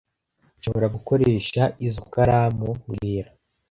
Nshobora gukoresha izoi karamu mbwira